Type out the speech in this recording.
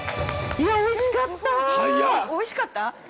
◆いや、おいしかった。